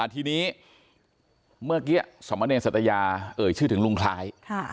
ทีนี้เมื่อกี้สมเนรสัตยาเอ่ยชื่อถึงลุงคล้าย